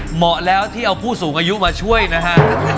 เหมาะแล้วที่เอาผู้สูงอายุมาช่วยนะฮะ